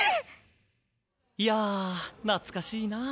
いや懐かしいなあ。